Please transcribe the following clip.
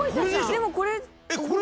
でもこれ。